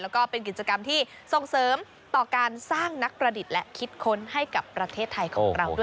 แล้วก็เป็นกิจกรรมที่ส่งเสริมต่อการสร้างนักประดิษฐ์และคิดค้นให้กับประเทศไทยของเราด้วย